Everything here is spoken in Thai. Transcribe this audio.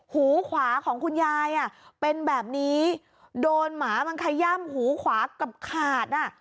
หูขวาของคุณยายอ่ะเป็นแบบนี้โดนหมามันขย่ำหูขวาเกือบขาดอ่ะ